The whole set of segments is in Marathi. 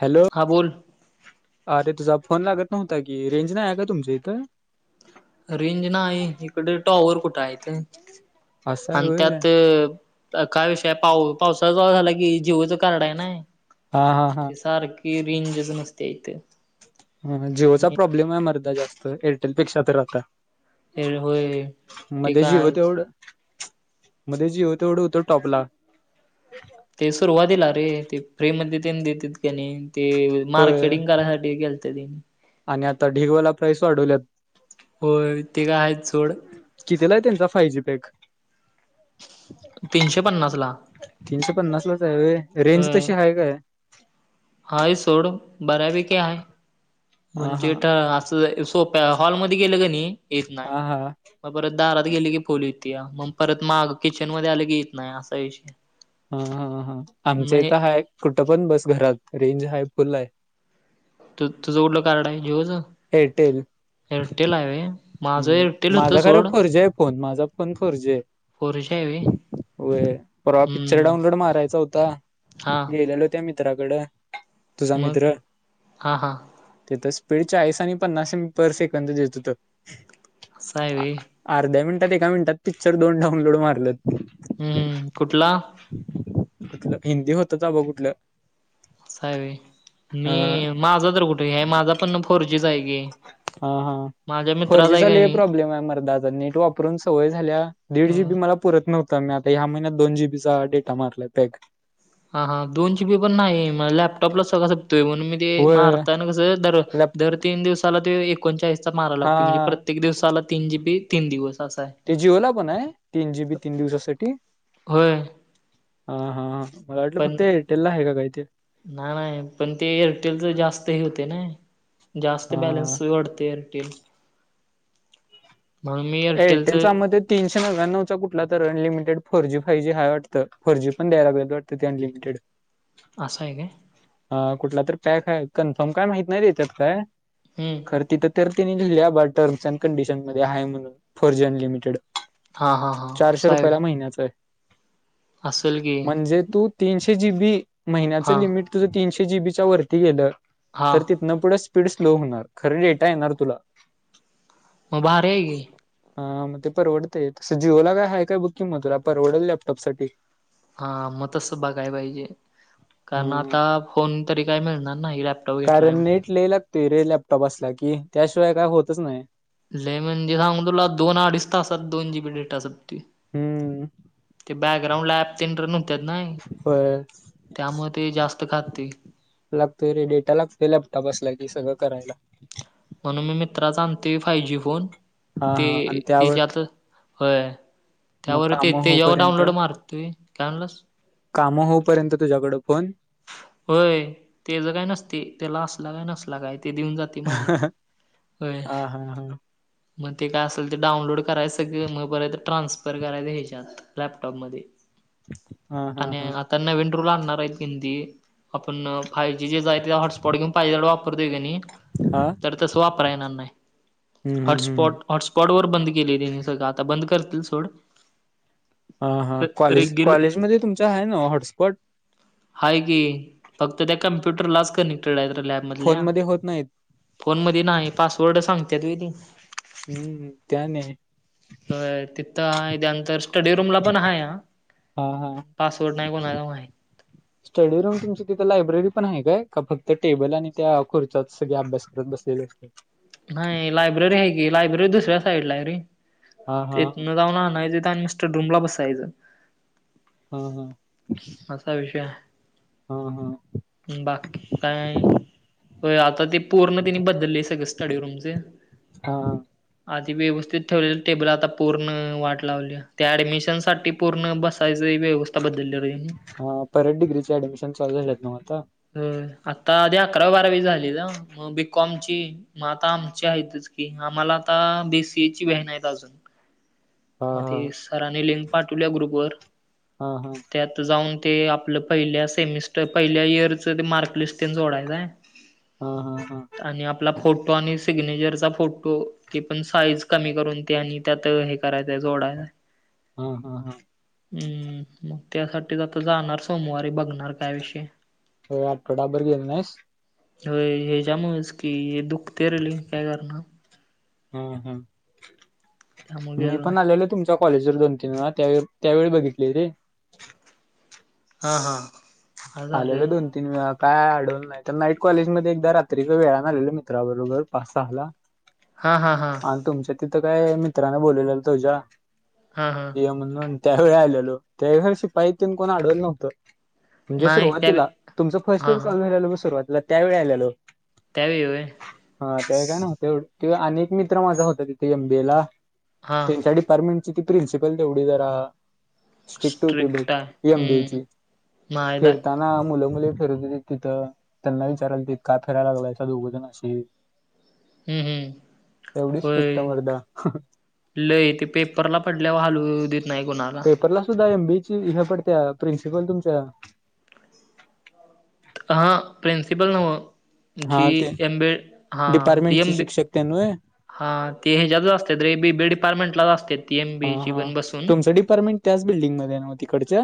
हॅलो हा बोल अरे तुझा फोन लागत नव्हता की रेंज नाही आहे का तुमच्या इथं. रेंज नाही इकडे टॉवर कुठे आहे इथे असा आहे आणि होय त्यात काय विषय आहे [unintelligible] की जिओचा कार्ड आहे नाही हा हा हा ते सारखं की रेंजच नसते इथे. जिओचा प्रॉब्लेम आहे मर्दा जास्त एअरटेल पेक्षा तर आता. हे होय ते मध्ये काय जिओ आहेच तेवढं मध्ये जीओ तेवढं होतं टॉपला. ते सुरुवातीला रे ते फ्री मध्ये ते देत क नाही ते होय मार्केटिंग करायसाठी [unintelligible] तेनी. आणि आता ढिगवाला प्राईस वाढवल्यात. होय ते गा आहेच सोड. कितीला आहे, त्यांचा फाय जी पॅक. तीनशे पन्नास ला तीनशे पन्नास लाच आहे होय, रेंज होय तशी आहे काय? हाय सोड बऱ्यापैकी हाय. हा म्हणजे हा आता सोप्या हॉलमध्ये गेलं कणी येत नाही. हा हा मग परत दारात गेली की फोन येतोया. मग परत माग किचन मध्ये आलं की, येत नाही असा विषय हाय. हा हा हा, आमच्या इथं हाय कुठं पण बस घरात रेंज हाय फुल हाय. तू तुझं कुठलं कार्ड आहे जीओच. एअरटेल. [unintelligible] एअरटेल हम् होतं माझा खरं सोड फोरजी आहे फोन, माझा फोन फोरजीय. फोरजी आहे होय. होय परवा पिक्चर डाउनलोड मारायचा होता, हा गेलेलो त्या मित्रा त्राकडं तुझा मग मित्र. हा हा तिथं स्पीड चाळीस आणि, पन्नास पर सेकंद देत होतं. असाय व्हय. आ- अर्ध्या मिनिटात एका मिनिटात पिक्चर दोन डाउनलोड मारल्यात. हम्म कुठला. कुठलं हिंदी होतत आबा कुठलं. असाय व्हयं अं, मी माझा तर कुठे हे, माझा पण फोरजीचा आहे. की हा हा. माझ्या फोर मित्राचा जी आहे चा लै का प्रॉब्लेम आहे मर्दा, नेट वापरून सवय झाल्या दीड जी नाही बी मला. पुरत नव्हता. मी आता यामहिन्यात जी बी चा डेटा मारलाय पॅक. हा हा दोन जी बी पण नाही मग, लॅपटॉपला सगळं सपतोय म्हणून मी ते व मारताना कसं. लॅप दर तीन दिवसाला एकोणचाळीसचा माराय हा लागतो. म्हणजे प्रत्येक दिवसाला. तीन जी बी तीन दिवस असा आय. ते जिओला पण आहे, तीन तीन दिवसासाठी होय हा हा. मला वाटलं पण फक्त एरटेला हाय काय ते. नाही नाही पण ते एअरटेलच जास्तं हे होतंय ने. जास्त हा बॅलन्स वढते एअरटेल. म्हणून मी एअरटेलचं एअरटेलच्या मध्ये. तीनशे नव्याण्णव चा कुठला तर अनलिमीटेड फोरजी फायजीय वाटत. फोरजी पण द्यायला लागल्यात वाटत ते अनलिमीटेड. [inaudible] आसाय काय. हा कुठला तर पॅक आहे, कन्फर्म काय माहित नाही देण्यात काय. हम्म. तिथं तर तेनी लिहिलंय टर्म्स अँड कंडिशन मध्ये, हाय म्हणून फोर्जी अनलिमिटेड. हां हां हां चारशे असं आहे काय? रुपयाला महिन्याच. असेल की म्हणजे तू, तीनशे जीबी महिन्याच हां लिमिट. तुझं तीनशे जीबीच्या वरती गेलं हां तर, तिथनं पुढं स्पीड स्लो होणार खरं डेटा येणार तुला. मग भारी हाय की. हा मग ते परवडतय तसं, जिओला काय हाय काय बघ की तुला परवडेल लॅपटॉपसाठी. हा मग तसं बघाय पाहिजे, कारण आता फोन तरी काय मिळणार नाही लॅप कारण नेट लय लागतोय रे लॅपटॉप असला की, त्याशिवाय काय होतच नाय. लई म्हणजे सांगू तुला, दोन अडीच तासात दोन जीबी डेटा संपतोय. हम्म. बॅकग्राउंड ॲप टेंडर नव्हत्या नाही होय त्यामुळे ते जास्त खातंय. लागतोय रे डेटा लागतोय लॅपटॉप असला की सगळं करायला. म्हणून मी मित्राचा आणतोय फायजी फोन. हा हा ते आणि त्यावर त्याच्यात होय मग त्यावर ते काम तेज्यावर होऊपर्यंत डाउनलोड मारतुय. काय म्हणलास? काम होईपर्यंत तुझ्याकडं फोन होय तेज काय नसते. त्याला असला काय नसला काय ते देऊन जातंय. ते [unintelligible] होय. हा हा हा मग ते काय असेल ते डाऊनलोड करायच सगळं, मग परत ट्रान्सफर करायच हेच्यात. लॅपटॉप मध्ये हा हा आणि हा आता नवीन रूल आणणार आहेत कधी ते आपण फाय जी जेच हाय ते हॉटस्पॉट घेऊन पाहिजे तेवढा वापरतोय की नाही हा तर तसं वापराय येणार नाही. हम्म हम्म हम्म हॉटस्पॉट हॉटस्पॉट वर बंद केले तेनी सगळं, आता बंद करतील सोड. हा हा कॉलेज रेग्युल कॉलेजमध्ये तुमचा आहे न्हवं हॉटस्पॉट? हाय की फक्त त्या कम्प्युटरलाच कनेक्टेड आहेत र फोन लॅबमधल्या. मध्ये होत नाहीत. फोनमध्ये नाही पासवर्ड सांगतेत व्हय ती. हम्म ते आणि हाय. होय तिथं [unintelligible] तर स्टडी रूमला पण हाया हा हा पासवर्ड नाही कोणाला माहित. [inaudible] स्टडी रूम तुमची तिथं लायब्ररी पण आहे काय? का फक्त टेबल आणि त्या खुर्च्यात सगळे अभ्यास करत बसलेले असतात. नाही ‌लायब्ररी आहे की, लायब्ररी दुसऱ्या साइडला आहे रे. हा हा तिथन जाऊन आणायचं आणि स्टडी रूमला बसायचं. हा हा असा विषय आहे. हा हा बाकी काय? होय आता ते पूर्ण तिने बदललंय सगळंच. स्टडी रूमचे हा. आधी व्यवस्थित ठेवलेलं टेबल आता पूर्ण वाट लावल्या. त्या ऍडमिशनसाठी पूर्ण बसायचं व्यवस्था बदलल्या रे हेनी. हा परत डिग्रीच ऍडमिशन चालू झालेत न्हव आता? होय आत्ता आधी अकरा बारावी झाली ना. मग बीकॉमची मग आता आमची आहेतच की, आम्हाला आता बीसीएची व्हॅन आहेत अजून. [inaudible] मग ते सराने लिंक पाठवल्या ग्रुपवर. हा हा त्यात तिथं जाऊन ते आपलं पहिल्या सेमिस्टर पहिल्या इयरच ते मार्कलिस्ट तेन जोडायचं हाय. हा हा हा. आणि आपला फोटो आणि सिग्नेचरचा फोटो ती पण साईज कमी करून ते आणि त्यात हे करायचं हाय जोडायच हाय. हा हा. हा हम्म, मग त्यासाठीच आता जाणार सोमवारी बघणार काय विषय आहे. हो आठवडाभर गेला नाहीस. होय हेज्यामुळंच की हे दुखतंय रे काय करणार. हम्म हम्म त्यामुळे मी गेलो नाही. पण आलेलो तुमच कॉलेज वर दोन तीन ना त्या त्यावेळी बघितली रे. हा हा. हा आलेलो झालोय दोन तीन वेळा काय अडवल नाय. तर नाईट कॉलेज म एकदा रात्रीच वेळाने आलेलं मित्राबरोबर पास सहाला. हा हा हा. आणि तुमच्या तिथं काय मित्रांने बोलवलेलं तुझ्या हा हा. म्हणून त्यावेळी आलेलो त्यावेळी शिपाई त कोण आडवल नव्हतं. म्हणजे नाही त्या सुरुवातीला तुमच फर्स्ट हा इयर हा चालू झाला बघ सुरुवातीला त्यावेळी आलेलो. त्यावेळी होय हा ते काय न होत एवढ किंवा अनेक मित्र माझा होता तिथे एमबीए ला. हा त्याच्या डिपार्टमेंटची ती प्रिन्सिपल तेवढी जरा. ट्रिक होती स्ट्रिक्ट आहे लय हम्म एमबीएची. माहित आहे फिरताना मुलं मुली फिरत होती तिथं. त्यांना विचारालालती का फिरायला लागलायचा दोघंजण अशी हम्म हम्म एवढी स्ट्रिक्ट आहे होय. मर्दा. लय ते पेपरला पडल्यावर हालू देत नाही कोणाला. रला सुद्धा एम बी ए चे हे पडतंय प्रिन्सिपल तुमच्या ह प्रिंसिपल नव्ह जी. हा ते डिपार्टमेंटची शिक्षक तेन व्हय हा ते ह्याच्यातच असते तर ए बी बी डिपार्टमेंटलाच असते ती एम बीची पण बसून परमिंट त्याच बिल्डिंगमध्ये ना तिकडच्या.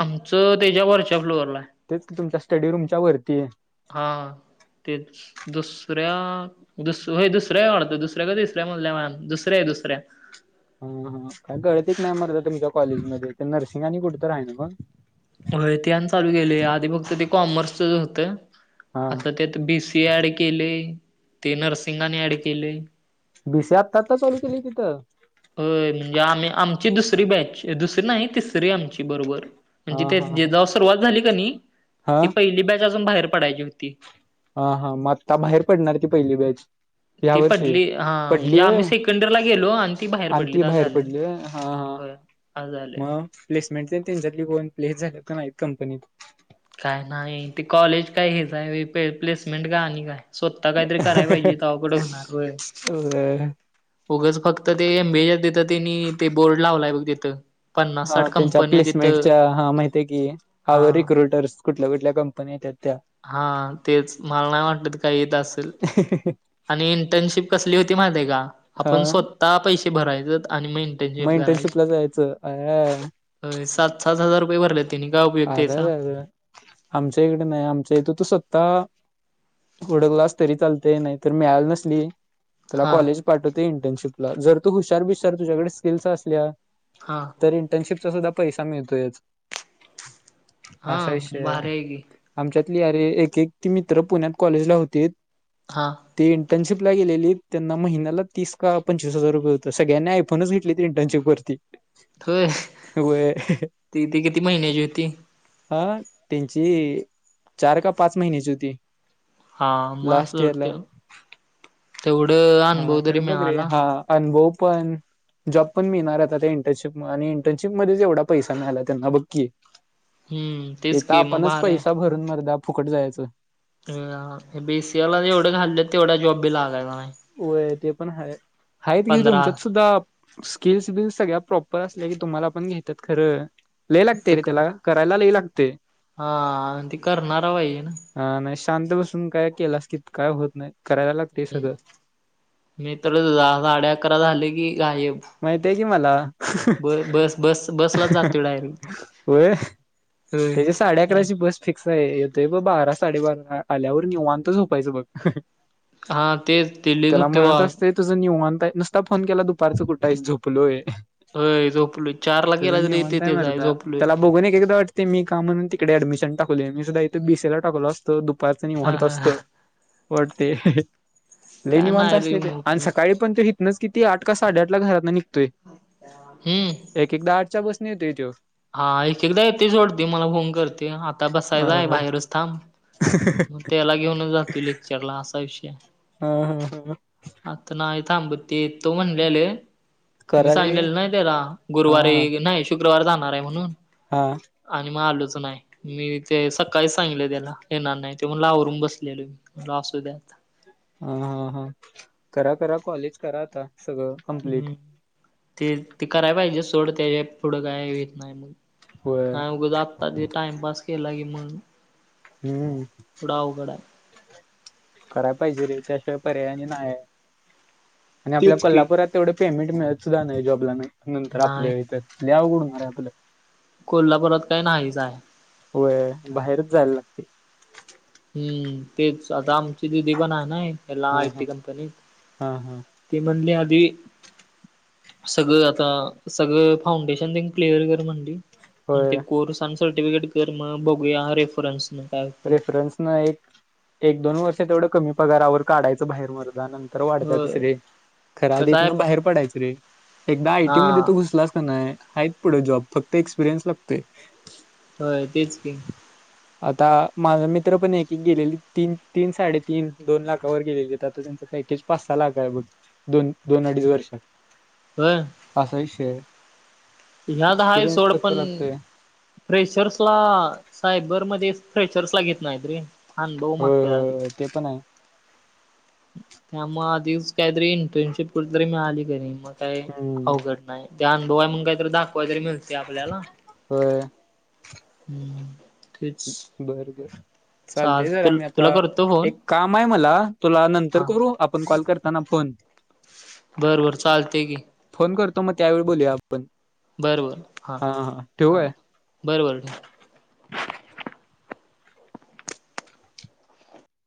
आमचं त्याच्या वरच्या फ्लोअरला तेच की तुमच्या स्टडी रूमच्या वरती आहे हाय. तेच. दुसऱ्या दुस दुसऱ्या वाढतं दुसऱ्या का तिसऱ्या मजल्यावर दुसऱ्या दुसऱ्या हा हा का गळत एक मेबर ज तुमच्या कॉलेजमध्ये ते नर्सिंग आणि कुठ तर रा आहे नाव. हो तेन चालू गेले आधी फक्त ते कॉमर्सच होतं हा आता त्यात बी सी. ते ऍड केले ते नर्सिंग‌ आणि ऍड केलय. बीसी आत्ता आता चालू केली तिथं. होय म्हणजे आम् आमची दुसरी बॅच दुसरी नाही तिसरी आमची बरोबर. हा म्हणजे ते हा हा जवा सुरुवात झाली की नाही हा ती पहिली बॅच अजून बाहेर पडायची होती. हा हा म आता बाहेर पडणार ती पहिली बॅच. ह्या ती वर्षी पडली हा म्हणजे पडली व्हय आम्ही सेकंड इयर ला गेलो आणि ती बाहेर आणि ती पडली आस बाहेर झालय पडली व्हय हा हा होय. हा अस झालय. मग प्लेसमेंट त्यांच्याली कोण प्लेस झाल्या तर नाहीत कंपनीत. काय नाही ते कॉलेज काय हेच आहे प्लेसमेंट का आणि काय. स्वतः काहीतरी करायला पाहिजे तवा कुठं होणार वय. व्हय. उगच फक्त ते एमबीए देत त्यांनी ते बोर्ड लावलाय बघ तिथं. पन्नास हा साठ त्यांच्या कंपन्या तिथं प्लेसमेंटच्या हा माहिती आहे की हा रिक्रुटर्स कुठल्या कुठल्या कं पण येतात त्या हा तेच मला नाही वाटत काही येत असेल. [inaudible] आणि इंटर्नशिप कसली होती माझे का हा आपण स्वतः पैसे भरायच आणि मग मग इंटर्नशिप करायची. इंटर्नशिपला जायचं अ. सात सात हजार रुपये भरलेत. अरेरर आमच्या इकडे नाही आमच्या इथ तू स्वत्ता. ड क्लास तरी चालते नाहीतर मिळाल नही. तुला हा कॉलेज पाठवते इंटर्नशिपला जर तू हुशार बिशार तुझ्याकडे स्किल्स असल्या. हा. तर इंटर्नशिपचा सुद्धा पैसा मिळतोयच हा असा विषय भारी आहे की आमच्यातली अरे एक एक ती मित्र पुण्यात कॉलेजला होतीत. हां. ते इंटर्नशिपला गेले त्यांना महिन्याला तीस का पंचवीस हजार रुपये होतं सगळ्यांना ऐ आपनच घेतली त इंटर्नशिप वरती. होय होय ती ती किती महिन्याची होती. हा त्यांची चार का पाच महिन्याची होती. हा म अस लास्ट इयरला जोडते तेवढं. हा अनुभव तरी खरं बघ रे मिळाला. हा अनुभव पण. जॉब पण मिळणार आता त्या इंटर्नशिप आणि इंटर्नशिपमध्येध्ये जेवढा पैसा मिळाला त्यांना बघकी. हम्म तेच येेत की मग आपणच भारी आहे. पैसा भरून मरदा फुकट जायचो. ह बीसीला एवढे खाल्ले तेवढ्या जॉबी लागायला नाही. य ते पण ह आहेत घे पंधरा तुमच्यात सुद्धा स्किल्स बल्स सगळ्या प्रॉपर असल्या की तुम्हाला पण घेतात खरं ल लागते रे त्याला. पळायला लय लागते. आणि तेी करणारा पाजे. अ नाही शांत काय की काय होत नाही करायला लागते सगळं. मी तर दहा साडे अकरा झाले की गायब माहितय कि मला ब बस बस बसलाच जातोय डायरेक्ट. होय. होय. त्याची साडे अकरा काय ची बस फिक्स आहे येतोय ब बारा साडेबारा आल्यावर निवांतच झोपायचं बघ. हा तेच तेल्लीच त्याला तेव्हा. म्हणत असते तुझं निय म्हणताय नुसता फोन केला दुपारचं कुठं आहे झोपलोय. होय झोपलोय चारला तझ गेला तरी ते निऊनताय तेच आहे मरता झोपलोय. त्याला बघ नाही का एकदा वाट. ते मी का म्हणून तिकडे ऍडमिशन टाकवले मी सुद्धा इथे बीसी ला टाकलो असतं दुपारच हा निवत हा असतो. पटते लेणी काय मानता नाही रे असले ते मग आणि उपयोग सकाळी पण तो. न किती आठ का साडेआठ ला घरातं निघतोय. हम्म. एक एकदा आठच्या बसणी होतोय त्यो हा एक एकदा येते सोडते मला फोन करते आता बसायचाय अ बाहेरच थांब. मग त्याला घेऊनच जातो लेक्चरला असा विषय. हा हा हा. आता नायथ आबत येतो म्हणलेले. मी करा रे सांगलेलं नाही त्याला हा गुरुवारी नाही शुक्रवार जाणार आहे म्हणून हा आणि मग नाही मी ते सकाळीच सांगले त्याला येणार ते मण लावरून बसलेलो. आसुद्यात. हा हा हा करा करा कॉलेज करा आता सगळं कंप्लीट हम् ते ते कराय पाहिजे सोड त्या पुढं काय येत नाही मग. होय हा उगंता ते टाइमपास केला की मग. हम्म पुढं अवघड आहे. कराय पाहिजे त्याशिवाय नाही. आणि आपल्या तेच की. कोल्हापुरात तेवढं पेमेंट मिळत सुद्धा नाही जॉबला नंतर नाही आपल्या इथ. लय अवघड होणारे आपल. कोल्हापुरात काय नाहीच आहे. होय बाहेरच जायल्ला हम्म तेच आता आमची दिदी पणाय ना एक हेला आयटी कंपनीत आ हा. ती म्हणली आधी सगळं आता सगळं फाउंडेशन तेन् क्लिअर कर म्हणली. ते होय कोर्स अन सर्टिफिकेट कर मग बघूया रेफरन्सनं. रेफरन्स न एक, एक दोन वर्ष तेवढं कमी पगारावर काढायचं बाहेर मर्दा नंत् तर वाढत्याती होय सगळे. खरा आधी कसं आहे हीतनं बाहेर पडायचं रे एकदा आय. टी. मध्ये हा तू घुसलास का नाय हायत् पुढे जॉब फक्त एक्सपिरियन्स लागतोय. होय तेच की. आता माझा मित्र पण एक एक गेलेलीत तीन तीन साडेतीन दोन लाखावर गेलेलीत आता त्यांचं पॅकेज पाच सा लाख हाय बग, दोन-दोन अडीच वर्षात्. होय. असा विषय. ह्यात हाय एक्सपिरियन्स सोड फक्त पण लागतोय फ्रेशर्स ला सायबर मध्ये फ्रेशर्स ला घेत नाईत रे. अनुभव होय मागत्या आधी. होय ते पण आहे त्यामुळं आधीच काईतरी इंटर्नशिप कुठं तरी मिळाली का नाय मग काय हम्म अवघड नाय, त्या अनुभवाय म्हणुन काईतरी दाखवाय तरी मिळते आपल्याला. होय हम्म तेच. बर बर. चालते जरा चालतंय मी आता तुला करतो फोन एक कामाय मला, तुला नंतर हा करू आपण कॉल कर ताना फोन बरबर चालते की. फोन करतो म त्यावेळी बोलूया आपण, हा हा ठेवु काय? बरबर ठेव्